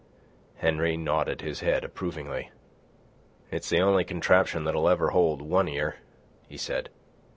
Henry nodded his head approvingly. "It's the only contraption that'll ever hold One Ear," he said.